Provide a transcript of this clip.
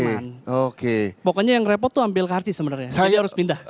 pokoknya yang repot tuh ambil karti sebenarnya jadi harus pindah